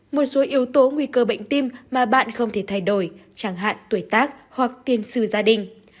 một số yếu tố nguy cơ bệnh tim mà bạn không thể thay đổi chẳng hạn tuổi tác hoặc tiền sư gia đình